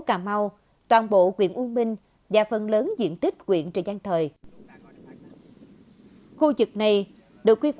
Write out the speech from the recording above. cà mau toàn bộ quyện u minh và phần lớn diện tích quyện trời giang thời ở khu vực này được quy